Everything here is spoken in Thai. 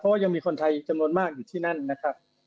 เพราะว่ายังมีคนไทยจำนวนมากอยู่ที่นั่นนะครับ